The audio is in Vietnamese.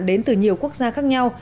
đến từ nhiều quốc gia khác nhau